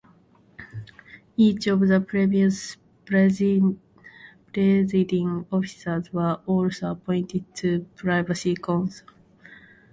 Each of the previous Presiding Officers were also appointed to the Privy Council.